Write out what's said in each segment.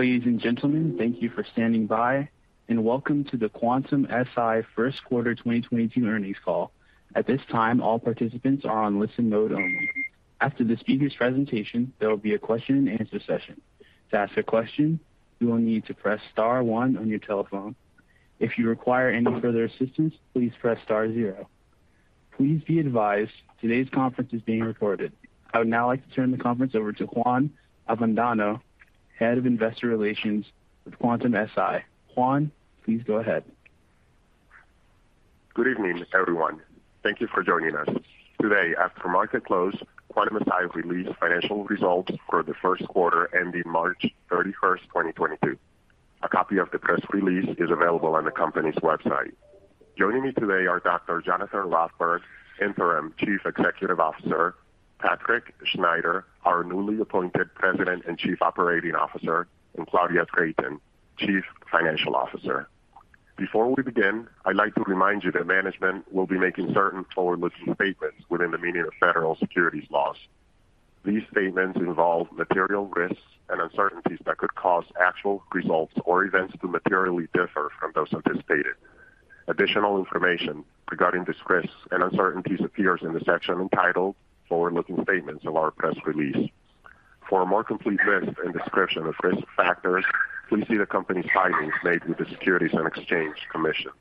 Ladies and gentlemen, thank you for standing by, and welcome to the Quantum-Si first quarter 2022 earnings call. At this time, all participants are on listen mode only. After the speaker's presentation, there will be a question and answer session. To ask a question, you will need to press star one on your telephone. If you require any further assistance, please press star zero. Please be advised today's conference is being recorded. I would now like to turn the conference over to Juan Avendano, Head of Investor Relations with Quantum-Si. Juan, please go ahead. Good evening, everyone. Thank you for joining us. Today, after market close, Quantum-Si released financial results for the first quarter ending March 31, 2022. A copy of the press release is available on the company's website. Joining me today are Dr. Jonathan Rothberg, Interim Chief Executive Officer, Patrick Schneider, our newly appointed President and Chief Operating Officer, and Claudia Drayton, Chief Financial Officer. Before we begin, I'd like to remind you that management will be making certain forward-looking statements within the meaning of federal securities laws. These statements involve material risks and uncertainties that could cause actual results or events to materially differ from those anticipated. Additional information regarding these risks and uncertainties appears in the section entitled Forward-Looking Statements of our press release. For a more complete list and description of risk factors, please see the company's filings made with the Securities and Exchange Commission.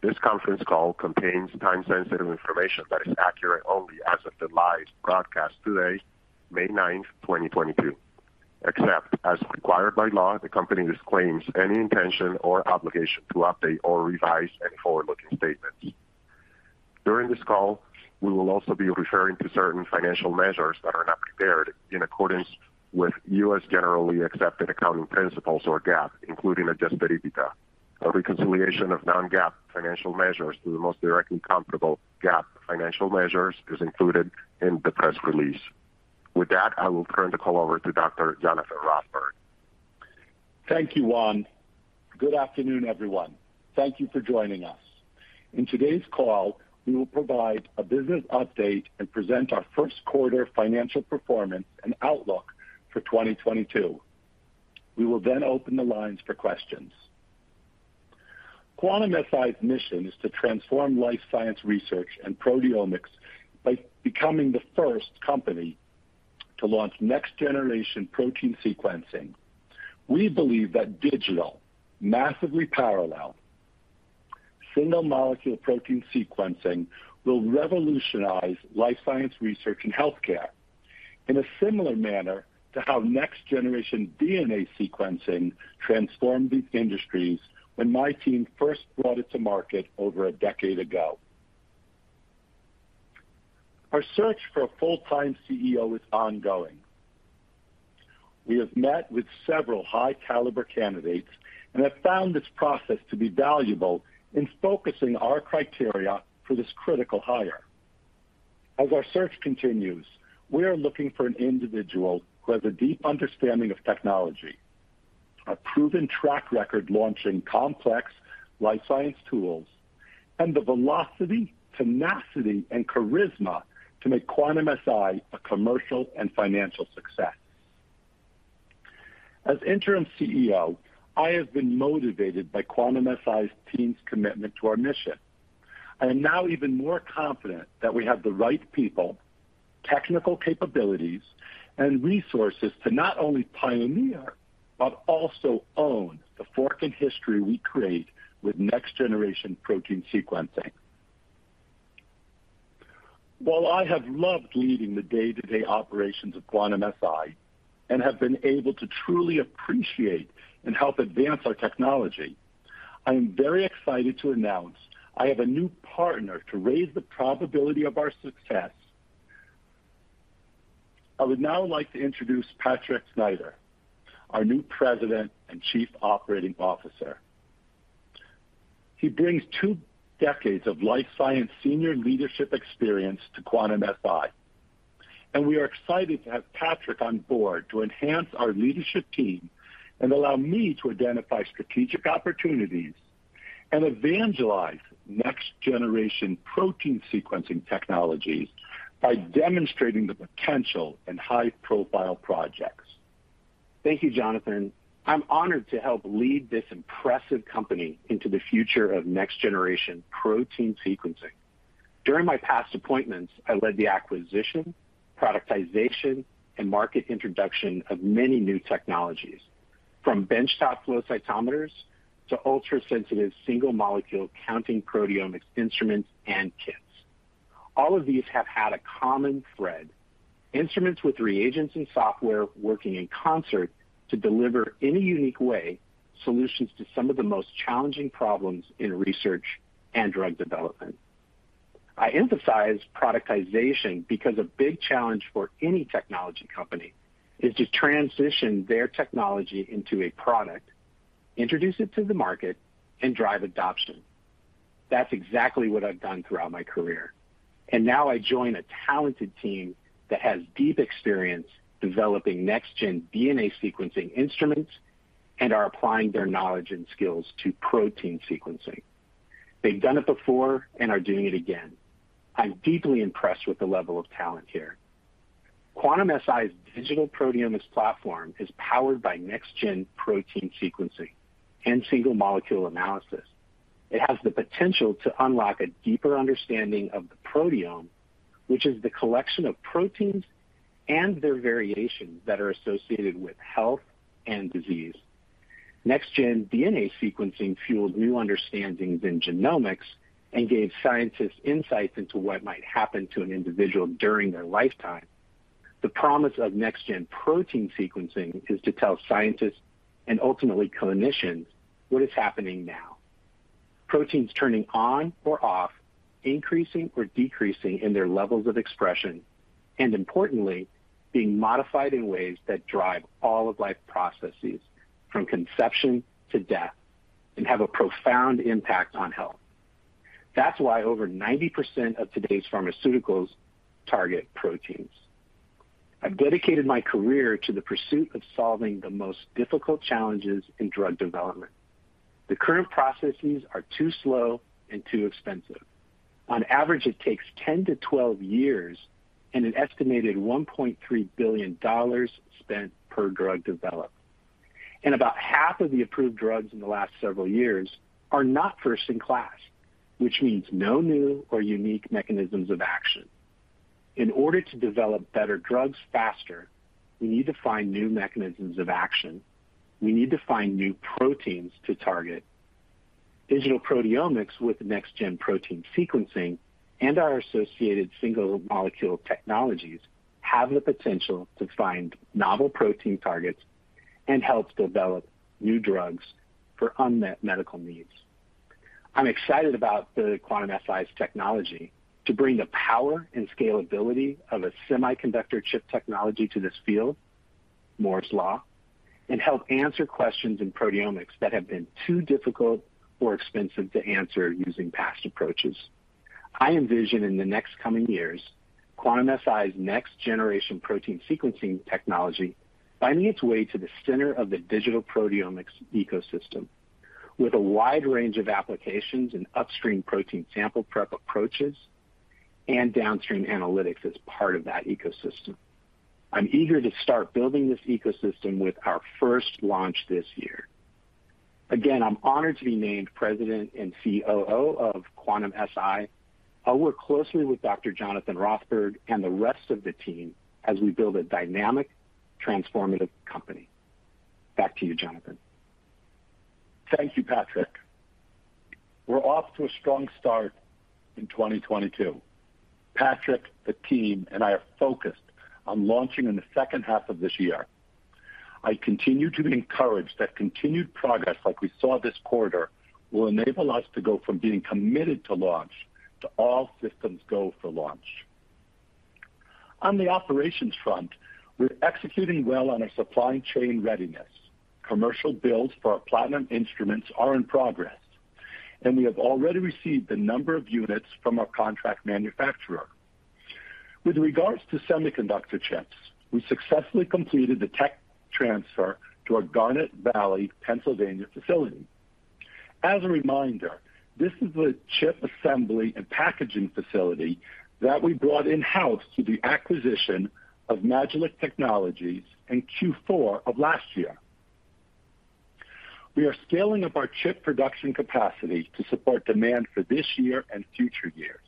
This conference call contains time-sensitive information that is accurate only as of the live broadcast today, May 9, 2022. Except as required by law, the company disclaims any intention or obligation to update or revise any forward-looking statements. During this call, we will also be referring to certain financial measures that are not prepared in accordance with U.S. generally accepted accounting principles or GAAP, including adjusted EBITDA. A reconciliation of non-GAAP financial measures to the most directly comparable GAAP financial measures is included in the press release. With that, I will turn the call over to Dr. Jonathan Rothberg. Thank you, Juan. Good afternoon, everyone. Thank you for joining us. In today's call, we will provide a business update and present our first quarter financial performance and outlook for 2022. We will then open the lines for questions. Quantum-Si's mission is to transform life science research and proteomics by becoming the first company to launch next generation protein sequencing. We believe that digital, massively parallel, single molecule protein sequencing will revolutionize life science research and healthcare in a similar manner to how next generation DNA sequencing transformed these industries when my team first brought it to market over a decade ago. Our search for a full-time CEO is ongoing. We have met with several high caliber candidates and have found this process to be valuable in focusing our criteria for this critical hire. As our search continues, we are looking for an individual who has a deep understanding of technology, a proven track record launching complex life science tools, and the velocity, tenacity, and charisma to make Quantum-Si a commercial and financial success. As interim CEO, I have been motivated by Quantum-Si's team's commitment to our mission. I am now even more confident that we have the right people, technical capabilities, and resources to not only pioneer, but also own the fork in history we create with next generation protein sequencing. While I have loved leading the day-to-day operations of Quantum-Si and have been able to truly appreciate and help advance our technology, I am very excited to announce I have a new partner to raise the probability of our success. I would now like to introduce Patrick Schneider, our new President and Chief Operating Officer. He brings two decades of life science senior leadership experience to Quantum-Si, and we are excited to have Patrick on board to enhance our leadership team and allow me to identify strategic opportunities and evangelize next generation protein sequencing technology by demonstrating the potential in high profile projects. Thank you, Jonathan. I'm honored to help lead this impressive company into the future of next generation protein sequencing. During my past appointments, I led the acquisition, productization, and market introduction of many new technologies, from benchtop flow cytometers to ultra-sensitive single molecule counting proteomics instruments and kits. All of these have had a common thread, instruments with reagents and software working in concert to deliver in a unique way solutions to some of the most challenging problems in research and drug development. I emphasize productization because a big challenge for any technology company is to transition their technology into a product, introduce it to the market, and drive adoption. That's exactly what I've done throughout my career, and now I join a talented team that has deep experience developing next-gen DNA sequencing instruments and are applying their knowledge and skills to protein sequencing. They've done it before and are doing it again. I'm deeply impressed with the level of talent here. Quantum-Si's digital proteomics platform is powered by Next-Gen Protein Sequencing and single-molecule analysis. It has the potential to unlock a deeper understanding of the proteome, which is the collection of proteins and their variations that are associated with health and disease. Next-gen DNA sequencing fueled new understandings in genomics and gave scientists insights into what might happen to an individual during their lifetime. The promise of Next-Gen Protein Sequencing is to tell scientists, and ultimately clinicians, what is happening now. Proteins turning on or off, increasing or decreasing in their levels of expression, and importantly, being modified in ways that drive all of life processes from conception to death, and have a profound impact on health. That's why over 90% of today's pharmaceuticals target proteins. I've dedicated my career to the pursuit of solving the most difficult challenges in drug development. The current processes are too slow and too expensive. On average, it takes 10-12 years and an estimated $1.3 billion spent per drug developed. About half of the approved drugs in the last several years are not first in class, which means no new or unique mechanisms of action. In order to develop better drugs faster, we need to find new mechanisms of action. We need to find new proteins to target. Digital proteomics with next gen protein sequencing and our associated single-molecule technologies have the potential to find novel protein targets and help develop new drugs for unmet medical needs. I'm excited about the Quantum-Si's technology to bring the power and scalability of a semiconductor chip technology to this field, Moore's Law, and help answer questions in proteomics that have been too difficult or expensive to answer using past approaches. I envision in the next coming years, Quantum-Si's next generation protein sequencing technology finding its way to the center of the digital proteomics ecosystem with a wide range of applications in upstream protein sample prep approaches and downstream analytics as part of that ecosystem. I'm eager to start building this ecosystem with our first launch this year. Again, I'm honored to be named President and COO of Quantum-Si. I'll work closely with Dr. Jonathan Rothberg and the rest of the team as we build a dynamic, transformative company. Back to you, Jonathan. Thank you, Patrick. We're off to a strong start in 2022. Patrick, the team, and I are focused on launching in the second half of this year. I continue to be encouraged that continued progress like we saw this quarter will enable us to go from being committed to launch to all systems go for launch. On the operations front, we're executing well on our supply chain readiness. Commercial builds for our Platinum instruments are in progress, and we have already received a number of units from our contract manufacturer. With regards to semiconductor chips, we successfully completed the tech transfer to our Garnet Valley, Pennsylvania facility. As a reminder, this is a chip assembly and packaging facility that we brought in-house through the acquisition of Majelac Technologies in Q4 of last year. We are scaling up our chip production capacity to support demand for this year and future years.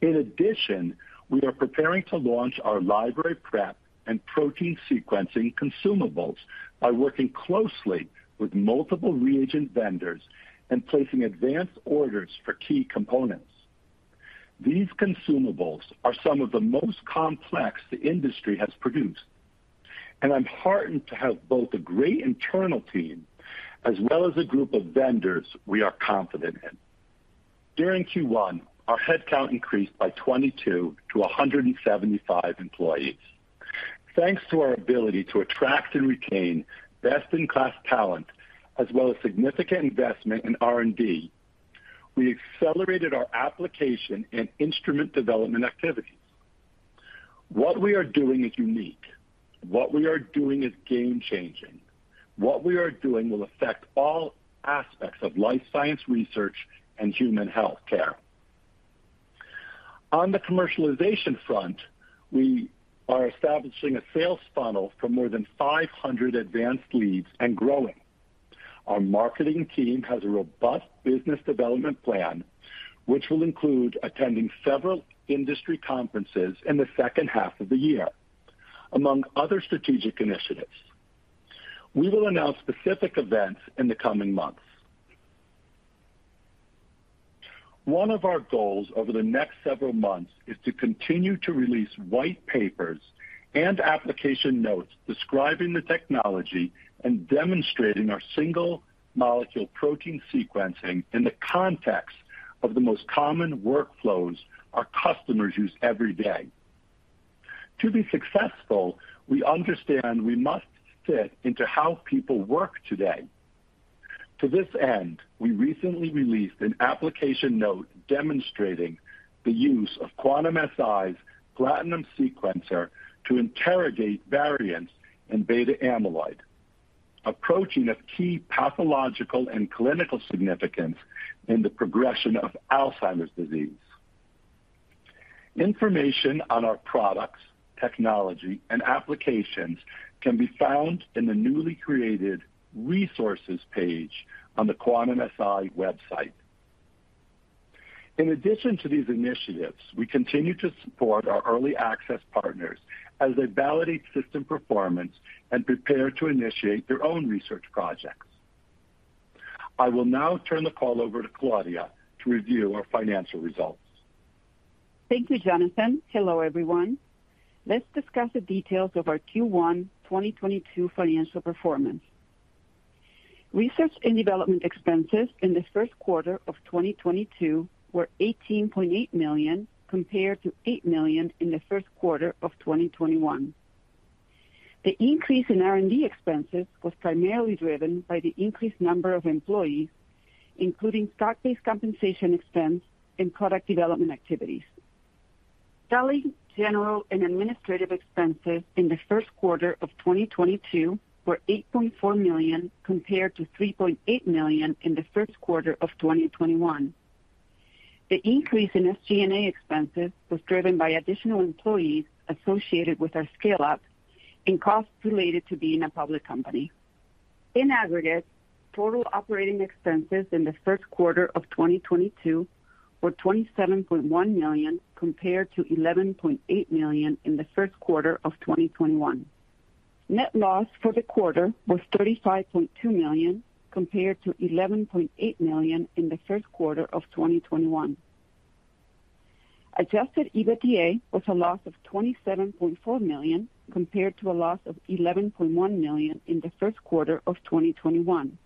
In addition, we are preparing to launch our library prep and protein sequencing consumables by working closely with multiple reagent vendors and placing advanced orders for key components. These consumables are some of the most complex the industry has produced, and I'm heartened to have both a great internal team as well as a group of vendors we are confident in. During Q1, our headcount increased by 22 to 175 employees. Thanks to our ability to attract and retain best-in-class talent, as well as significant investment in R&D, we accelerated our application and instrument development activities. What we are doing is unique. What we are doing is game changing. What we are doing will affect all aspects of life science research and human health care. On the commercialization front, we are establishing a sales funnel for more than 500 advanced leads and growing. Our marketing team has a robust business development plan, which will include attending several industry conferences in the second half of the year, among other strategic initiatives. We will announce specific events in the coming months. One of our goals over the next several months is to continue to release white papers and application notes describing the technology and demonstrating our single molecule protein sequencing in the context of the most common workflows our customers use every day. To be successful, we understand we must fit into how people work today. To this end, we recently released an application note demonstrating the use of Quantum-Si's Platinum sequencer to interrogate variants in beta-amyloid approaching a key pathological and clinical significance in the progression of Alzheimer's disease. Information on our products, technology, and applications can be found in the newly created Resources page on the Quantum-Si website. In addition to these initiatives, we continue to support our early access partners as they validate system performance and prepare to initiate their own research projects. I will now turn the call over to Claudia to review our financial results. Thank you, Jonathan. Hello, everyone. Let's discuss the details of our Q1 2022 financial performance. Research and development expenses in the first quarter of 2022 were $18.8 million, compared to $8 million in the first quarter of 2021. The increase in R&D expenses was primarily driven by the increased number of employees, including stock-based compensation expense and product development activities. Selling, general, and administrative expenses in the first quarter of 2022 were $8.4 million, compared to $3.8 million in the first quarter of 2021. The increase in SG&A expenses was driven by additional employees associated with our scale-up and costs related to being a public company. In aggregate, total operating expenses in the first quarter of 2022 were $27.1 million, compared to $11.8 million in the first quarter of 2021. Net loss for the quarter was $35.2 million, compared to $11.8 million in the first quarter of 2021. Adjusted EBITDA was a loss of $27.4 million, compared to a loss of $11.1 million in the first quarter of 2021.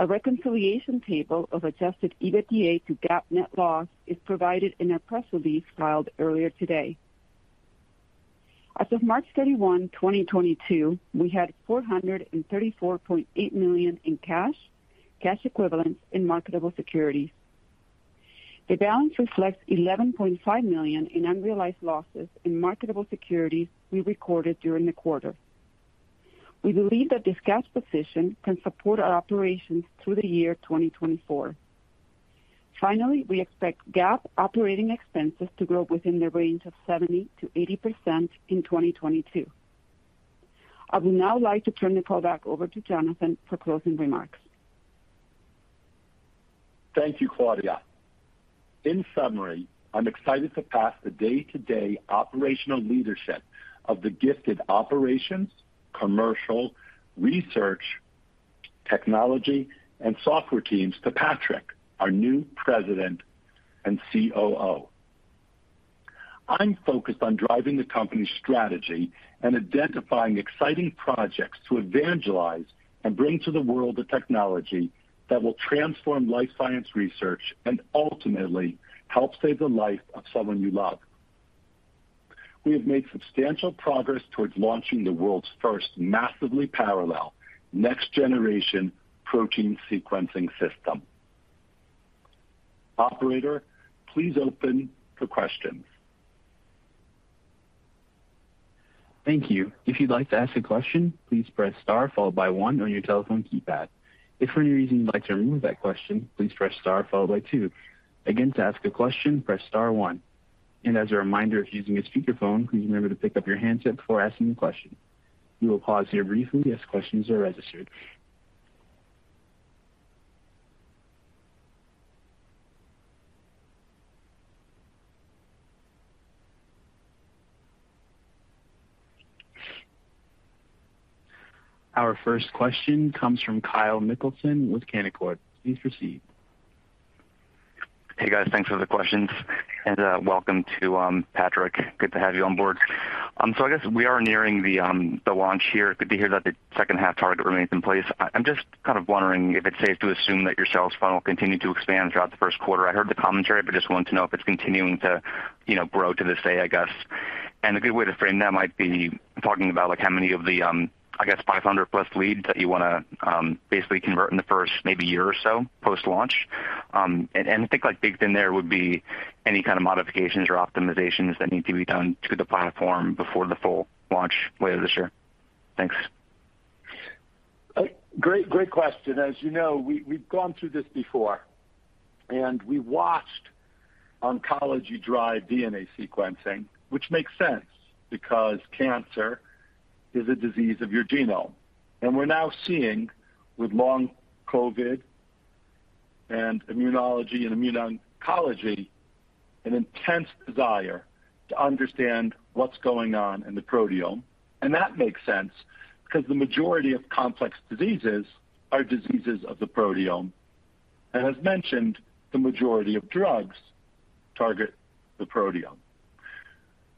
A reconciliation table of adjusted EBITDA to GAAP net loss is provided in our press release filed earlier today. As of March 31, 2022, we had $434.8 million in cash equivalents, and marketable securities. The balance reflects $11.5 million in unrealized losses in marketable securities we recorded during the quarter. We believe that this cash position can support our operations through the year 2024. Finally, we expect GAAP operating expenses to grow within the range of 70%-80% in 2022. I would now like to turn the call back over to Jonathan for closing remarks. Thank you, Claudia. In summary, I'm excited to pass the day-to-day operational leadership of the gifted operations, commercial, research, technology, and software teams to Patrick, our new President and COO. I'm focused on driving the company's strategy and identifying exciting projects to evangelize and bring to the world the technology that will transform life sciences research and ultimately help save the life of someone you love. We have made substantial progress towards launching the world's first massively parallel Next-Generation Protein Sequencing system. Operator, please open for questions. Thank you. If you'd like to ask a question, please press star followed by one on your telephone keypad. If for any reason you'd like to remove that question, please press star followed by two. Again, to ask a question, press star one. As a reminder, if you're using a speakerphone, please remember to pick up your handset before asking a question. We will pause here briefly as questions are registered. Our first question comes from Kyle Mikson with Canaccord. Please proceed. Hey, guys, thanks for the questions, and welcome to Patrick, good to have you on board. So I guess we are nearing the launch here. Good to hear that the second half target remains in place. I'm just kind of wondering if it's safe to assume that your sales funnel continued to expand throughout the first quarter. I heard the commentary, but just wanted to know if it's continuing to, you know, grow to this day, I guess? A good way to frame that might be talking about, like, how many of the, I guess, 500+ leads that you wanna basically convert in the first maybe year or so post-launch. I think, like, baked in there would be any kind of modifications or optimizations that need to be done to the platform before the full launch later this year? Thanks. Great question. As you know, we've gone through this before, and we watched oncology drive DNA sequencing, which makes sense because cancer is a disease of your genome. We're now seeing with long COVID and immunology and immuno-oncology an intense desire to understand what's going on in the proteome, and that makes sense because the majority of complex diseases are diseases of the proteome, and as mentioned, the majority of drugs target the proteome.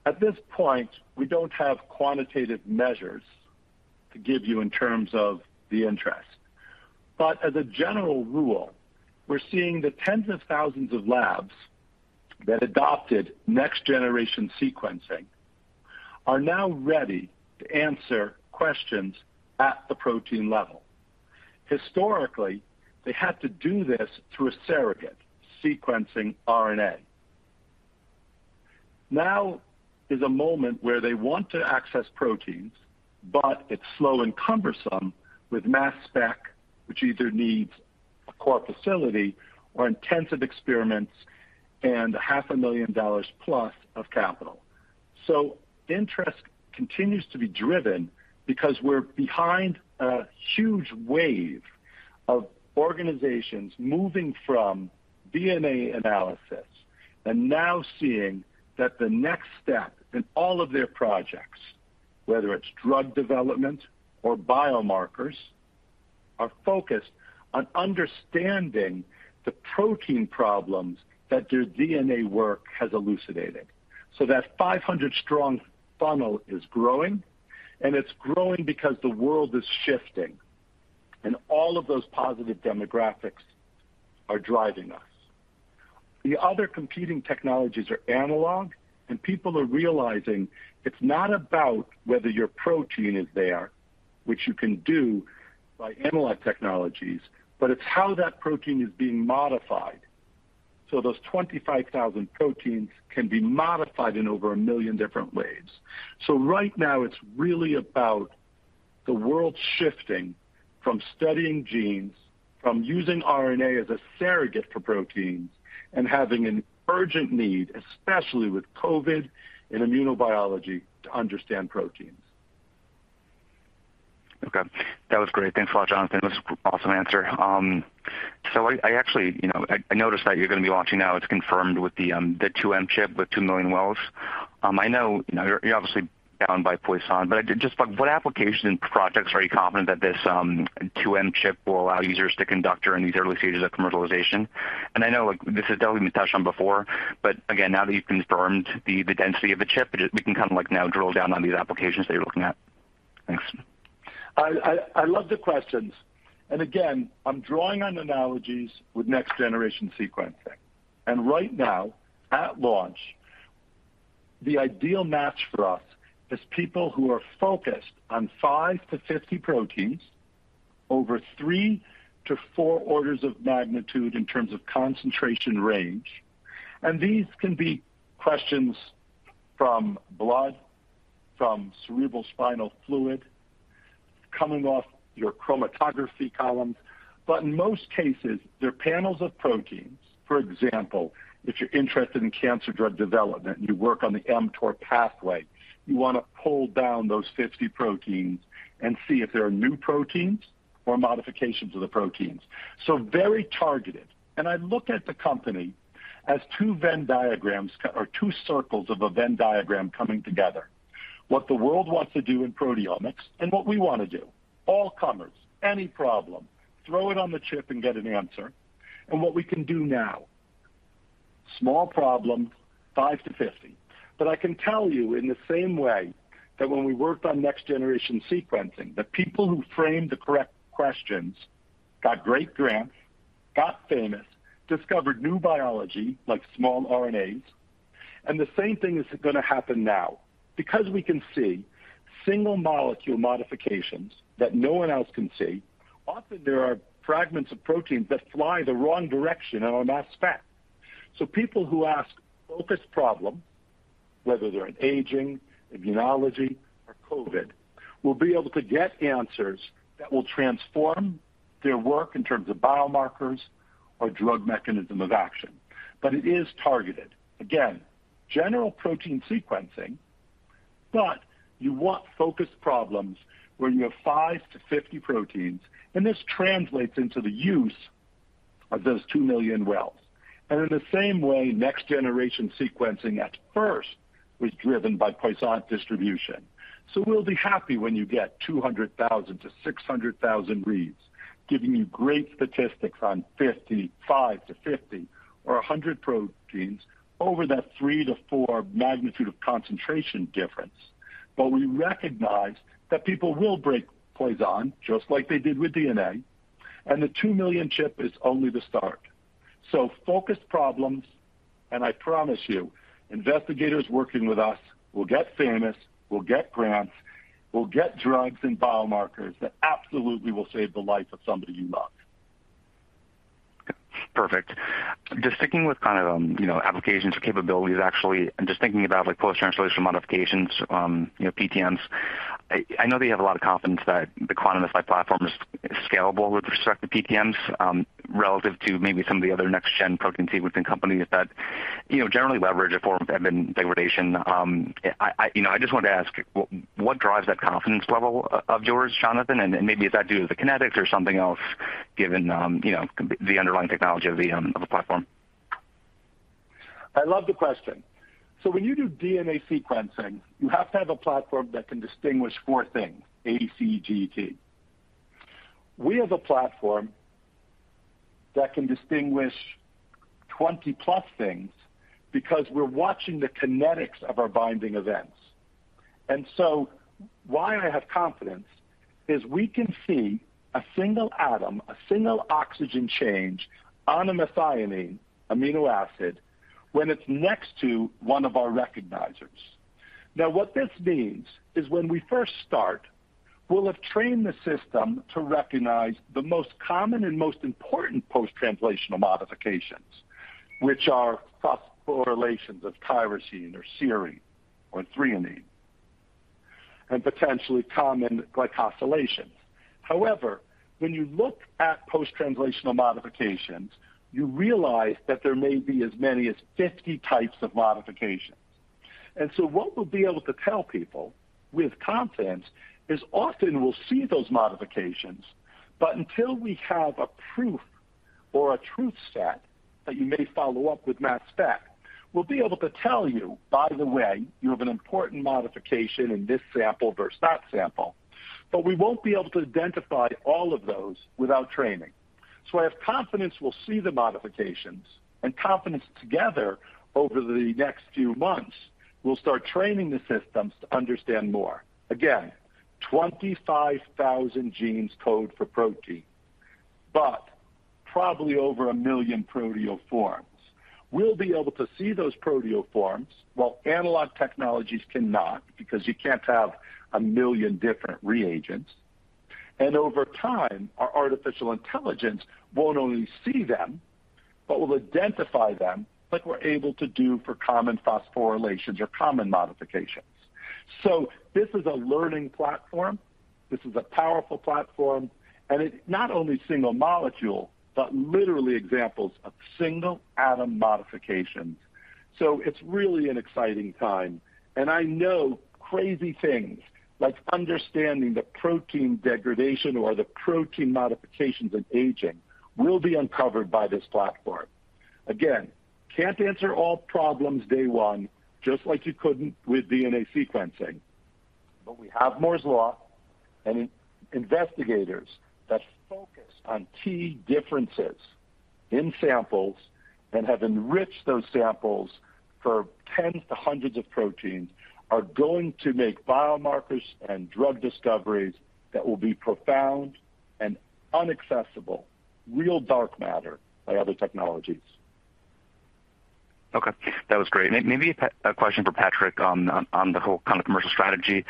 At this point, we don't have quantitative measures to give you in terms of the interest. As a general rule, we're seeing the tens of thousands of labs that adopted next-generation sequencing are now ready to answer questions at the protein level. Historically, they had to do this through a surrogate, sequencing RNA. Now is a moment where they want to access proteins, but it's slow and cumbersome with mass spec, which either needs a core facility or intensive experiments and $500,000+ Of capital. Interest continues to be driven because we're behind a huge wave of organizations moving from DNA analysis and now seeing that the next step in all of their projects, whether it's drug development or biomarkers, are focused on understanding the protein problems that their DNA work has elucidated. That 500-strong funnel is growing, and it's growing because the world is shifting, and all of those positive demographics are driving us. The other competing technologies are analog, and people are realizing it's not about whether your protein is there, which you can do by analog technologies, but it's how that protein is being modified. Those 25,000 proteins can be modified in over a million different ways. Right now, it's really about the world shifting from studying genes, from using RNA as a surrogate for proteins, and having an urgent need, especially with COVID and immunobiology, to understand proteins. Okay. That was great. Thanks a lot, Jonathan. That's an awesome answer. So I actually, you know, I noticed that you're going to be launching now, it's confirmed with the 2M chip with 2 million wells. I know, you know, you're obviously bound by Poisson, but just like what application projects are you confident that this 2M chip will allow users to conduct during these early stages of commercialization? I know, like, this has definitely been touched on before, but again, now that you've confirmed the density of the chip, it, we can kind of like now drill down on these applications that you're looking at. Thanks. I love the questions. I'm drawing on analogies with next-generation sequencing. Right now, at launch, the ideal match for us is people who are focused on 5 proteins-50 proteins over 3 orders-4 orders of magnitude in terms of concentration range. These can be samples from blood, from cerebrospinal fluid, coming off your chromatography columns. In most cases, they're panels of proteins. For example, if you're interested in cancer drug development, and you work on the mTOR pathway, you want to pull down those 50 proteins and see if there are new proteins or modifications of the proteins. Very targeted. I look at the company as two circles of a Venn diagram coming together. What the world wants to do in proteomics and what we want to do, all comers, any problem, throw it on the chip and get an answer. What we can do now, small problem, 5 proteins-50 proteins. I can tell you in the same way that when we worked on next-generation sequencing, the people who framed the correct questions got great grants, got famous, discovered new biology like small RNAs, and the same thing is going to happen now. Because we can see single molecule modifications that no one else can see, often there are fragments of proteins that fly the wrong direction in our mass spec. People who ask focused problem, whether they're in aging, immunology, or COVID, will be able to get answers that will transform their work in terms of biomarkers or drug mechanism of action. It is targeted. Again, general protein sequencing, but you want focused problems where you have 5 proteins-50 proteins, and this translates into the use of those 2 million wells. In the same way, next-generation sequencing at first was driven by Poisson distribution. We'll be happy when you get 200,000-600,000 reads, giving you great statistics on 55 proteins-50 proteins or 100 proteins over that 3-4 magnitude of concentration difference. We recognize that people will break Poisson just like they did with DNA, and the 2 million chip is only the start. Focused problems, and I promise you, investigators working with us will get famous, will get grants, will get drugs and biomarkers that absolutely will save the life of somebody you love. Perfect. Just sticking with kind of, you know, applications or capabilities, actually, and just thinking about like post-translational modifications, you know, PTMs, I know that you have a lot of confidence that the Quantum-Si platform is scalable with respect to PTMs, relative to maybe some of the other next gen protein sequencing companies that, you know, generally leverage a form of Edman degradation. I just wanted to ask what drives that confidence level of yours, Jonathan? Maybe is that due to the kinetics or something else given, you know, the underlying technology of the platform? I love the question. When you do DNA sequencing, you have to have a platform that can distinguish four things, A, C, G, T. We have a platform that can distinguish 20+ things because we're watching the kinetics of our binding events. Why I have confidence is we can see a single atom, a single oxygen change on a methionine amino acid when it's next to one of our recognizers. Now what this means is when we first start, we'll have trained the system to recognize the most common and most important post-translational modifications, which are phosphorylations of tyrosine or serine or threonine, and potentially common glycosylations. However, when you look at post-translational modifications, you realize that there may be as many as 50 types of modifications. What we'll be able to tell people with confidence is often we'll see those modifications, but until we have a proof or a truth set that you may follow up with mass spec, we'll be able to tell you, by the way, you have an important modification in this sample versus that sample, but we won't be able to identify all of those without training. I have confidence we'll see the modifications and confidence together over the next few months, we'll start training the systems to understand more. Again, 25,000 genes code for protein, but probably over 1 million proteoforms. We'll be able to see those proteoforms while analog technologies cannot because you can't have a million different reagents. Over time, our artificial intelligence won't only see them, but will identify them like we're able to do for common phosphorylations or common modifications. This is a learning platform. This is a powerful platform, and it's not only single molecule, but literally examples of single atom modifications. It's really an exciting time. I know crazy things like understanding the protein degradation or the protein modifications in aging will be uncovered by this platform. Again, can't answer all problems day one, just like you couldn't with DNA sequencing. We have Moore's Law and investigators that focus on key differences in samples and have enriched those samples for tens to hundreds of proteins are going to make biomarkers and drug discoveries that will be profound and inaccessible, real dark matter by other technologies. Okay, that was great. Maybe a question for Patrick on the whole kind of commercial strategy.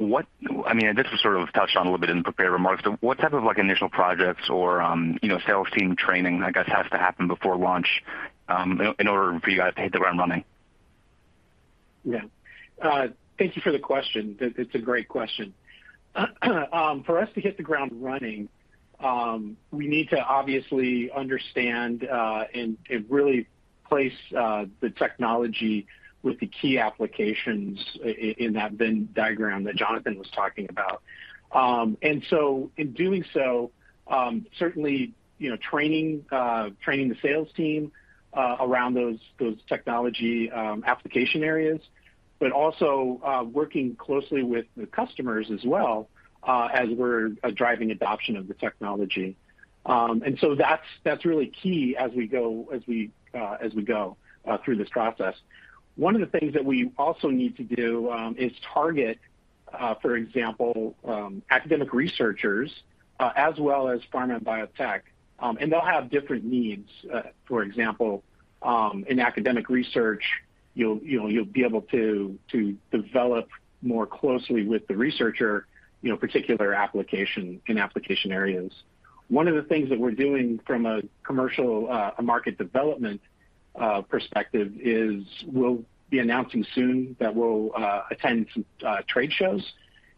I mean, this was sort of touched on a little bit in the prepared remarks, but what type of, like, initial projects or, you know, sales team training, I guess, has to happen before launch, in order for you guys to hit the ground running? Yeah. Thank you for the question. That's a great question. For us to hit the ground running, we need to obviously understand and really place the technology with the key applications in that Venn diagram that Jonathan was talking about. And so in doing so, certainly, you know, training the sales team around those technology application areas, but also working closely with the customers as well, as we're driving adoption of the technology. And so that's really key as we go through this process. One of the things that we also need to do is target, for example, academic researchers, as well as pharma and biotech, and they'll have different needs. For example, in academic research, you'll, you know, be able to develop more closely with the researcher, you know, particular application in application areas. One of the things that we're doing from a commercial market development perspective is we'll be announcing soon that we'll attend some trade shows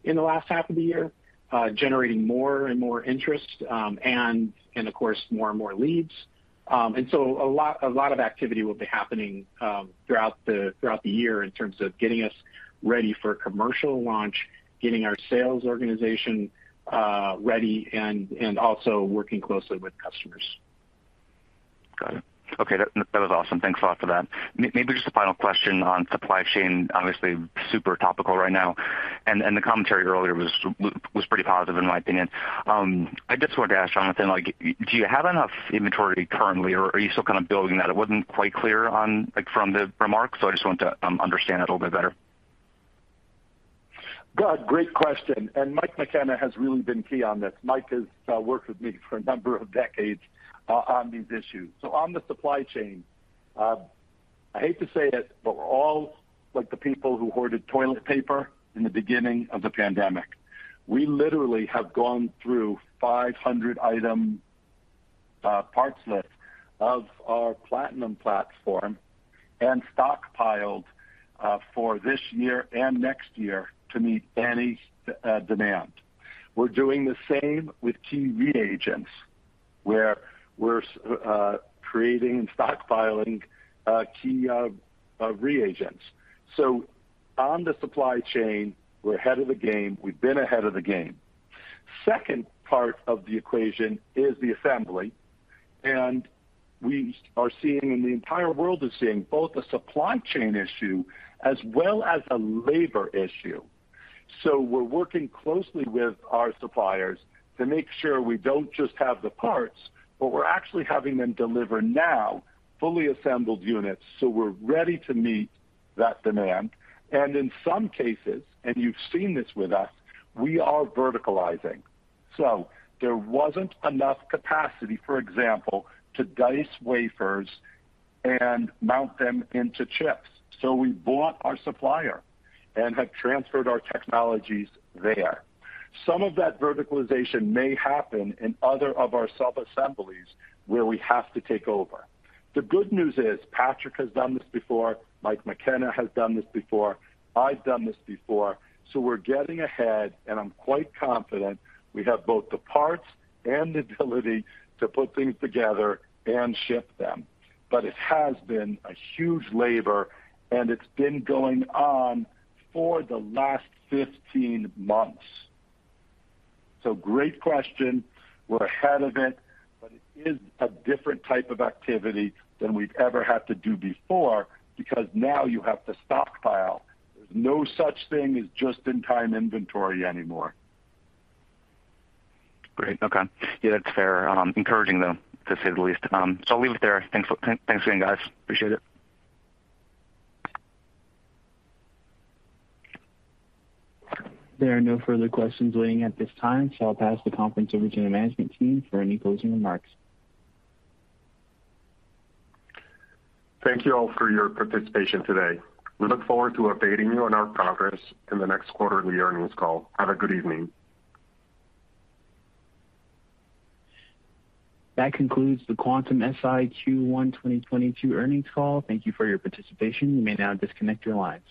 in the last half of the year, generating more and more interest, and of course, more and more leads. A lot of activity will be happening throughout the year in terms of getting us ready for a commercial launch, getting our sales organization ready and also working closely with customers. Got it. Okay. That was awesome. Thanks a lot for that. Just a final question on supply chain, obviously super topical right now. The commentary earlier was pretty positive in my opinion. I just wanted to ask Jonathan, like, do you have enough inventory currently, or are you still kind of building that? It wasn't quite clear on, like, from the remarks, so I just wanted to understand it a little bit better. God, great question. Michael McKenna has really been key on this. Mike has worked with me for a number of decades on these issues. On the supply chain, I hate to say it, but we're all like the people who hoarded toilet paper in the beginning of the pandemic. We literally have gone through 500-item parts list of our Platinum platform and stockpiled for this year and next year to meet any demand. We're doing the same with key reagents, where we're creating and stockpiling key reagents. On the supply chain, we're ahead of the game. We've been ahead of the game. Second part of the equation is the assembly. We are seeing, and the entire world is seeing both a supply chain issue as well as a labor issue. We're working closely with our suppliers to make sure we don't just have the parts, but we're actually having them deliver now fully assembled units, so we're ready to meet that demand. In some cases, and you've seen this with us, we are verticalizing. There wasn't enough capacity, for example, to dice wafers and mount them into chips. We bought our supplier and have transferred our technologies there. Some of that verticalization may happen in other of our sub-assemblies where we have to take over. The good news is Patrick has done this before, Michael McKenna has done this before, I've done this before. We're getting ahead, and I'm quite confident we have both the parts and the ability to put things together and ship them. It has been a huge labor, and it's been going on for the last 15 months. Great question. We're ahead of it, but it is a different type of activity than we've ever had to do before because now you have to stockpile. There's no such thing as just-in-time inventory anymore. Great. Okay. Yeah, that's fair. Encouraging, though, to say the least. I'll leave it there. Thanks. Thanks again, guys. Appreciate it. There are no further questions waiting at this time, so I'll pass the conference over to the management team for any closing remarks. Thank you all for your participation today. We look forward to updating you on our progress in the next quarterly earnings call. Have a good evening. That concludes the Quantum-Si Q1 2022 earnings call. Thank you for your participation. You may now disconnect your lines.